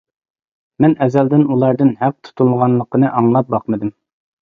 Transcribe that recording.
مەن ئەزەلدىن ئۇلاردىن ھەق تۇتۇلغانلىقىنى ئاڭلاپ باقمىدىم.